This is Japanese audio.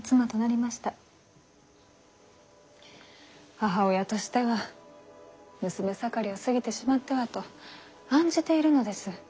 母親としては娘盛りを過ぎてしまってはと案じているのです。